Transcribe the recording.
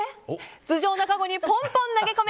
頭上のカゴにポンポン投げ込め！